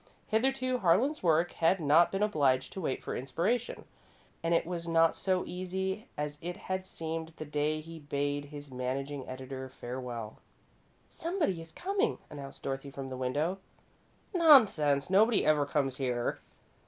Hitherto Harlan's work had not been obliged to wait for inspiration, and it was not so easy as it had seemed the day he bade his managing editor farewell. "Somebody is coming," announced Dorothy, from the window. "Nonsense! Nobody ever comes here."